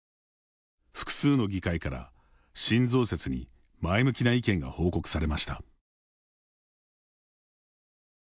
複数の議会から新増設に前向きな意見が報告されました。